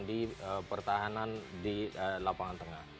dia sudah menjadi pertahanan di lapangan tengah